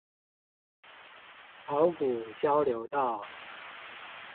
鰲鼓交流道